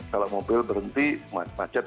kalau mobil berhenti henti itu akan terjadi